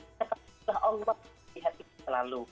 kita harus melihat allah selalu